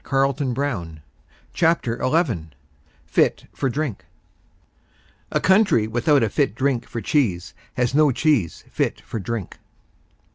Chapter Eleven "Fit for Drink" A country without a fit drink for cheese has no cheese fit for drink.